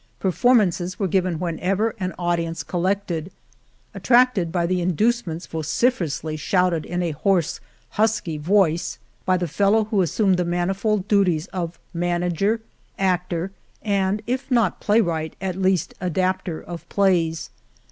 Perform ances were given whenever an audience col lected, attracted by the inducements vocifer ously shouted in a hoarse, husky voice by igi •^ The Morena the fellow who assumed the manifold duties of manager, actor, and, if not playwright, at least, adapter of plays.